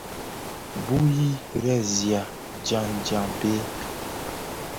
Bu i resihà dyangdyag béé.